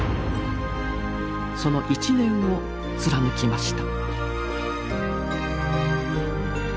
その一念を貫きました。